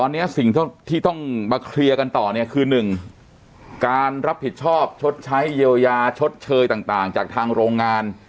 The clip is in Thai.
เรียกันต่อเนี้ยคือหนึ่งการรับผิดชอบชดใช้เยียวยาชดเชยต่างต่างจากทางโรงงาน